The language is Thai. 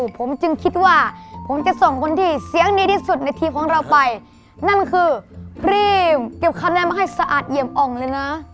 ผมจะส่งคนที่เสียงดีที่สุดในทีมของเราไปนั่นคือพรีมเก็บคะแนนมาให้สะอาดเหยียบอ่อนเลยนะ